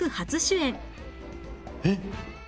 えっ？